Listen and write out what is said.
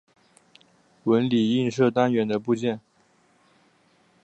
纹理映射单元的部件。